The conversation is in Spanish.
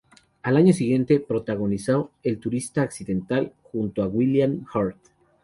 Al año siguiente protagonizó "El turista accidental" junto a William Hurt.